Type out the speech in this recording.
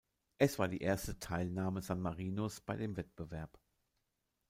Es war die erste Teilnahme San Marinos bei dem Wettbewerb.